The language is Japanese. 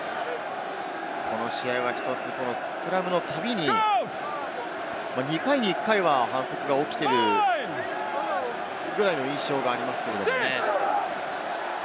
この試合は１つ、スクラムのたびに２回に１回は反則が起きているぐらいの印象があります。